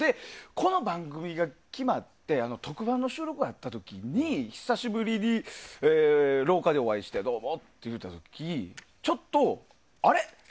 この番組が決まって特番の収録があった時に久しぶりに廊下でお会いしてどうもって言うた時ちょっと、あれ？